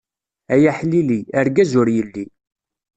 Ay aḥlili, argaz ur yelli.